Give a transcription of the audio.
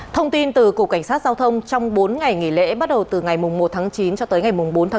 thông tin từ cục cảnh sát giao thông trong bốn ngày nghỉ lễ bắt đầu từ ngày một tháng chín cho tới ngày bốn tháng chín